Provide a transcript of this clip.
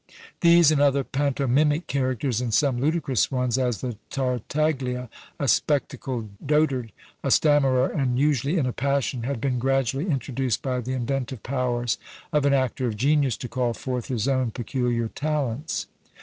These and other pantomimic characters, and some ludicrous ones, as the Tartaglia, a spectacled dotard, a stammerer, and usually in a passion, had been gradually introduced by the inventive powers of an actor of genius, to call forth his own peculiar talents.